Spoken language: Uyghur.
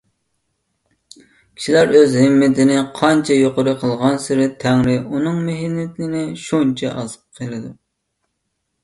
كىشىلەر ئۆز ھىممىتىنى قانچە يۇقىرى قىلغانسېرى، تەڭرى ئۇنىڭ مېھنىتىنى شۇنچە ئاز قىلىدۇ.